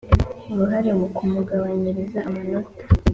Uruhare mu kumugabanyiriza amanota